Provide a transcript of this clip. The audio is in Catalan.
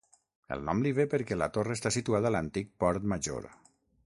El nom li ve per què la torre està situada a l'antic Port Major.